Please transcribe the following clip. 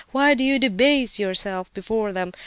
Why do you debase yourself before them?